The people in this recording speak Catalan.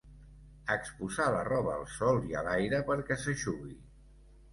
Exposar la roba al sol i a l'aire perquè s'eixugui.